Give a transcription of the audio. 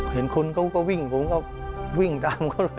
เห็นคนก็วิ่งผมก็วิ่งตามตลอด